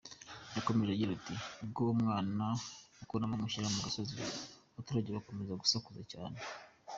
Yakomeje agira ati “Ubwo umwana mukuramo mushyira ku musozi, abaturage bakomeza gusakuza cyane.